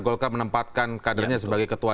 golkar menempatkan kadernya sebagai ketua